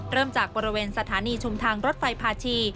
เริ่มจากบริเวณสถานีชุมทางรถไฟพาชี